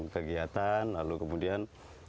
kegiatan lalu kemudian